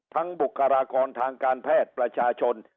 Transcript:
บุคลากรทางการแพทย์ประชาชน